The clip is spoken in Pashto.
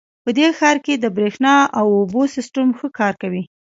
په دې ښار کې د بریښنا او اوبو سیسټم ښه کار کوي